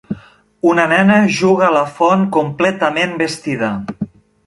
Una nena juga a la font completament vestida.